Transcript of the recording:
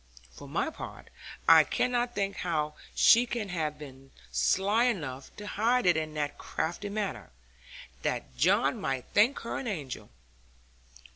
For my part I cannot think how she can have been sly enough to hide it in that crafty manner, that John might think her an angel!'